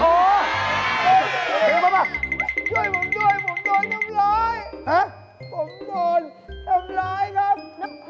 โอ้โฮช่วยช่วยผมด้วยผมโดนทำร้าย